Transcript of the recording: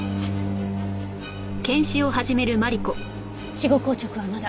死後硬直はまだ。